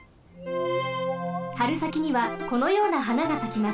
はるさきにはこのようなはながさきます。